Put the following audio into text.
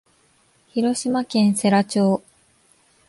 広島県世羅町